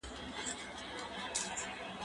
زه پرون ونې ته اوبه ورکړې!.